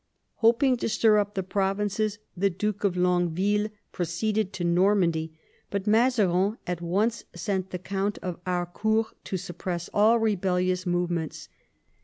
Hoping to stir up the provinces, the Duke of Longueville proceeded to Normandy; but Mazarin at once sent the Count of Harcourt to suppress all rebellious movements.